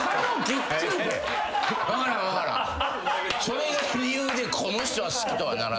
それが理由でこの人は好きとはならない。